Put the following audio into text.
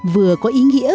vừa có ý nghĩa